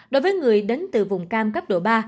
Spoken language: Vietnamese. đối với người đến từ vùng cam cấp độ ba